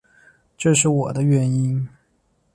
这是我的原因